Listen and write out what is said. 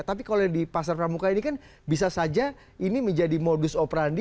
tapi kalau yang di pasar pramuka ini kan bisa saja ini menjadi modus operandi